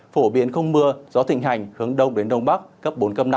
phổ biến không mưa gió thịnh hành hướng đông đến đông bắc cấp bốn cấp năm